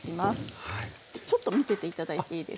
ちょっと見てて頂いていいですか？